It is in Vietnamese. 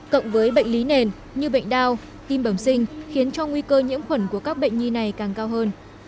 cộng với bệnh lý nền như bệnh đau tim bẩm sinh khiến cho nguy cơ nhiễm khuẩn của các bệnh nhi này càng cao hơn